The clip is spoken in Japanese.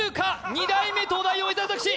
２代目東大王伊沢拓司